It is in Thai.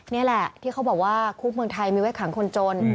นี่แหละที่เขาบอกว่าคุกเมืองไทยมีไว้ขังคนจน